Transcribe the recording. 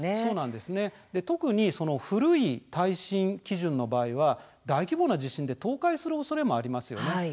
特に古い耐震基準の場合は大規模な地震で倒壊してしまうおそれもあります。